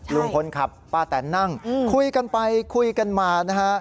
ลุงคนขับป้าแตนนั่งคุยกันไปคุยกันมานะฮะ